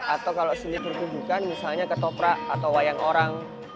atau kalau seni pertubukan misalnya ketoprak atau wayang orang